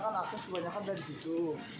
karena kan akses kebanyakan dari situ